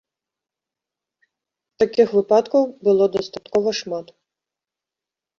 Такіх выпадкаў было дастаткова шмат.